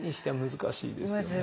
難しいですね。